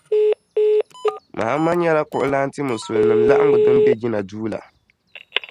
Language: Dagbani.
Mahama nyɛla kuɣulana ti Musuliminima laɣangu din bɛ jinna duu la..